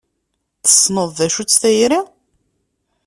Tessneḍ d acu-tt tayri?